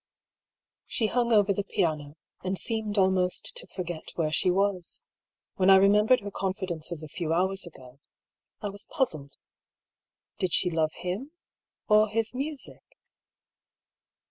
She hung over the piano, and seemed almost to forget where she was. When I remembered her confidences a few hours ago, I was puzzled. Did she love him — or his music?